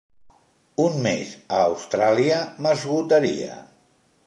Un mes a Austràlia m'esgotaria.